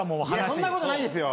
そんなことないですよ。